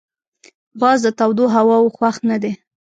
باز د تودو هواوو خوښ نه دی